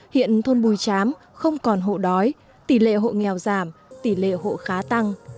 hiện thôn bùi chám không còn hộ đói tỷ lệ hộ nghèo giảm tỷ lệ hộ khá tăng